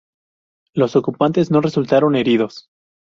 Los ocupantes no resultaron heridos.